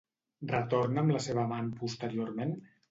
Retorna amb la seva amant posteriorment?